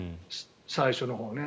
最初のほうね。